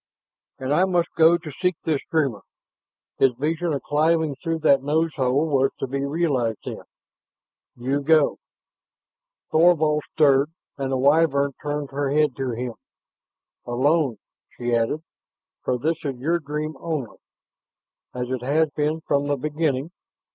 "And I must go to seek this dreamer?" His vision of climbing through that nose hole was to be realized then. "You go." Thorvald stirred and the Wyvern turned her head to him. "Alone," she added. "For this is your dream only, as it has been from the beginning.